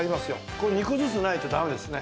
これ２個ずつないとダメですね。